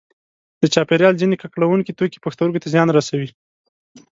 د چاپیریال ځینې ککړوونکي توکي پښتورګو ته زیان رسوي.